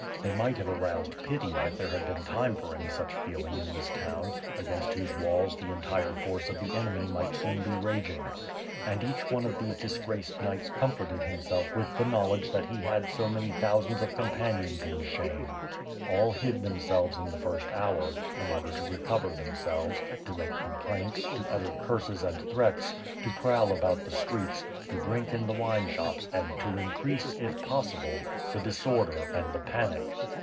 They might have aroused pity, if there had been time for any such feeling in this town, against whose walls the entire force of the enemy might soon be raging. And each one of these disgraced knights comforted himself with WITH FIRE AND SWORD. 515 the knowledge that he had so many thousands of companions in shame. AH hid themselves in the first hour, in order to re cover themselves, to make complaints, to utter curses and threats, to pro^vl about the streets, to drink in the wineshops and to increase, if possible, the disorder and the panic.